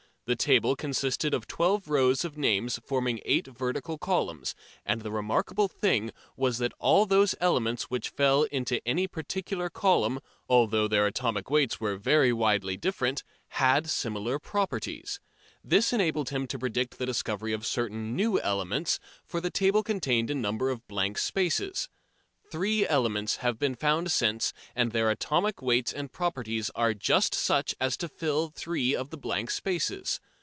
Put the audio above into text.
The table consisted of twelve rows of names forming eight vertical columns, and the remarkable thing was that all those elements which fell into any particular column, although their atomic weights were very widely different, had similar properties. This enabled him to predict the discovery of certain new elements, for the table contained a number of blank spaces. Three elements have been found since, and their atomic weights and properties are just such as to fill three of the blank spaces.